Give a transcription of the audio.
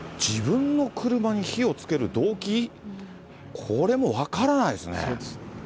自分の車に火をつける動機、これも分からないですね。